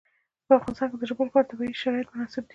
په افغانستان کې د ژبو لپاره طبیعي شرایط مناسب دي.